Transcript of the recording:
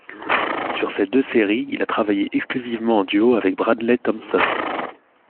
Sur ces deux séries, il a travaillé exclusivement en duo avec Bradley Thompson.